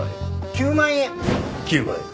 ９万円。